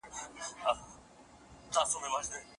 ورزش د زړه د ناروغیو د مخنیوي لامل دی.